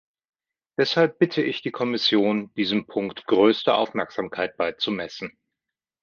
Deshalb bitte ich die Kommission, diesem Punkt größte Aufmerksamkeit beizumessen.